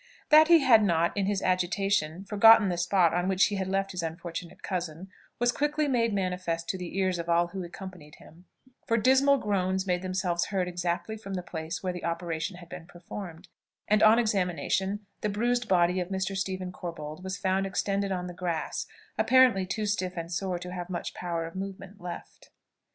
That he had not, in his agitation, forgotten the spot on which he had left his unfortunate cousin, was quickly made manifest to the ears of all who accompanied him; for dismal groans made themselves heard exactly from the place where the operation had been performed, and on examination the bruised body of Mr. Stephen Corbold was found extended on the grass, apparently too stiff and sore to have much power of movement left.